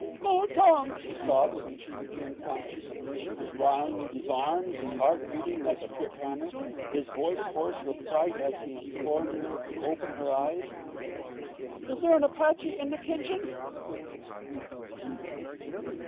"Oh, Tom!" she sobbed, when she became conscious that she was lying in his arms, his heart beating like a trip hammer, his voice hoarse with fright as he implored her to open her eyes; "is there an Apache in the kitchen?"